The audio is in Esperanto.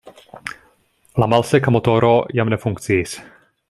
La malseka motoro jam ne funkciis.